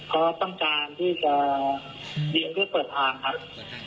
เพราะต้องการที่จะยิงเพื่อเปิดทางครับ